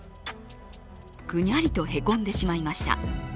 ぐにゃりと凹んでしまいました。